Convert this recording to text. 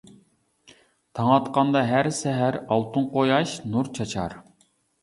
تاڭ ئاتقاندا ھەر سەھەر ئالتۇن قۇياش نۇر چاچار.